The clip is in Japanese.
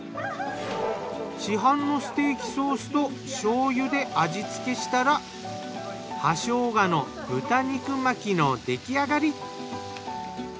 市販のステーキソースと醤油で味付けしたら葉生姜の豚肉巻きの出来上がり。